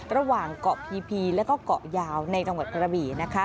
ระหว่างเกาะพีพีแล้วก็เกาะยาวในจังหวัดกระบี่นะคะ